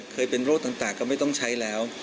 เคยเป็นโรคต่างก็ไม่ต้องใช้แล้ว